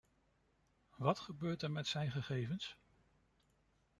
Wat gebeurt er met zijn gegevens?